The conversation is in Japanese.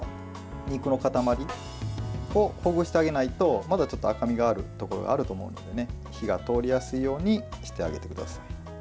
肉の固まりをほぐしてあげないとまだちょっと赤身があるところがあると思うのでね火が通りやすいようにしてあげてください。